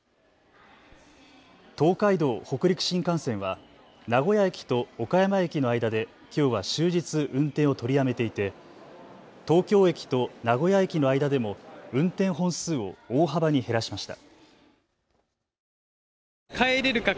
東海道・北陸新幹線は名古屋駅と岡山駅の間できょうは終日、運転を取りやめていて東京駅と名古屋駅の間でも運転本数を大幅に減らしました。